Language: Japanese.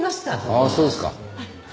ああそうですか。